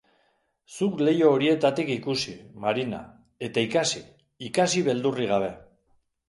Zuk leiho horietatik ikusi, Marina, eta ikasi, ikasi beldurrik gabe.